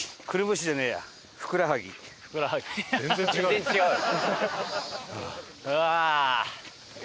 全然違うよ。